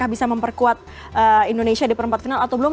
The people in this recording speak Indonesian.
bisa memperkuat indonesia di perempat final atau belum